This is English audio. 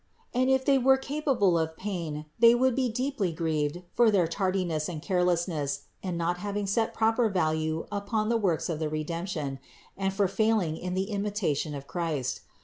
454 CITY OF GOD And if they were capable of pain, they would be deeply grieved for their tardiness and carelessness in not having set proper value upon the works for the Redemption, and for failing in the imitation of Christ.